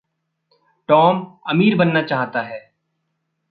Tom अमीर बनना चाहता है।